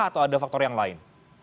atau ada faktor yang lain